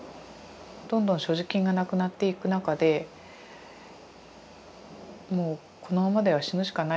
どんどん所持金がなくなっていく中でもうこのままでは死ぬしかない。